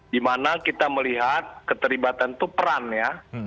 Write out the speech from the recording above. di mana kita melihat keterlibatan itu peran ya